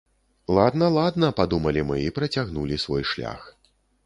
Ладна-ладна, падумалі мы, і працягнулі свой шлях.